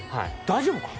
大丈夫か？